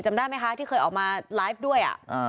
ได้ไหมคะที่เคยออกมาไลฟ์ด้วย